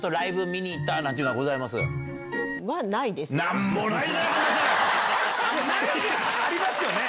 何かありますよね？